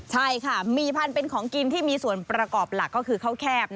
ใช่ค่ะมีพันธุ์เป็นของกินที่มีส่วนประกอบหลักก็คือข้าวแคบ